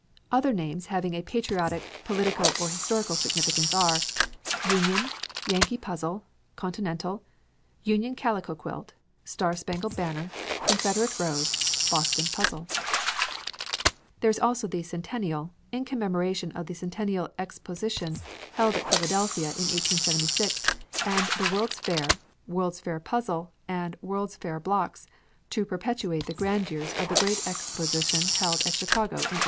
Other names having patriotic, political, or historical significance are: Union Yankee Puzzle Continental Union Calico Quilt Star Spangled Banner Confederate Rose Boston Puzzle There is also the "Centennial" in commemoration of the Centennial Exposition held at Philadelphia in 1876, and "The World's Fair," "World's Fair Puzzle," and "World's Fair Blocks" to perpetuate the grandeurs of the great exposition held at Chicago in 1893.